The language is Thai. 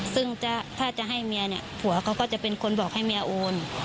ซึ่งถ้าจะให้เมียเนี่ยผัวเขาก็จะเป็นคนบอกให้เมียโอน